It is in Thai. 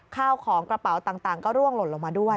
ข้าวของกระเป๋าต่างก็ร่วงหล่นลงมาด้วย